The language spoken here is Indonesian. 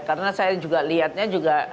karena saya juga liatnya juga